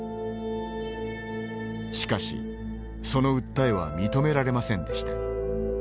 しかし、その訴えは認められませんでした。